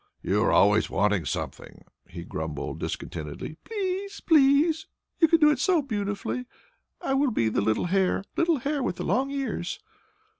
"You are always wanting something," he grumbled discontentedly. "Please! Please! You can do it so beautifully. I will be the little hare. Little hare with the long ears."